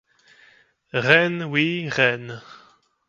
Reine, oui, reine !